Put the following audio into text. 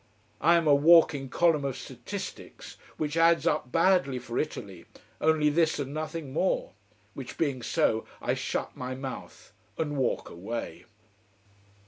I am a walking column of statistics, which adds up badly for Italy. Only this and nothing more. Which being so, I shut my mouth and walk away.